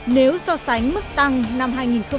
nếu so sánh mức tăng năm hai nghìn một mươi tám